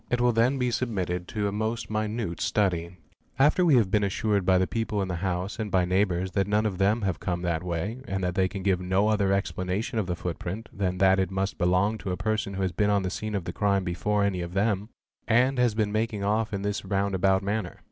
It will then be submitted to a most minute study, after we have been assured by the people in the house and by neighbours that none of them have come that way and that they can give no other explanation of the footprint than that it must belong to a person who has been on the scene of the crime before any of them and has been making off in this round about manner.